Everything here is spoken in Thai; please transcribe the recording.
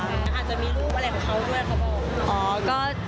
อาจจะมีรูปอะไรของเขาด้วยเขาบอก